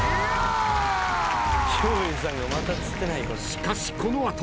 ［しかしこの後］